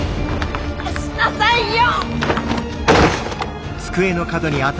渡しなさいよ！